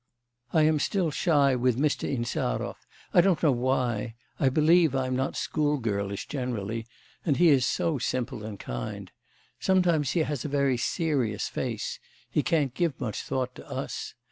I am still shy with Mr. Insarov. I don't know why; I believe I'm not schoolgirlish generally, and he is so simple and kind. Sometimes he has a very serious face. He can't give much thought to us.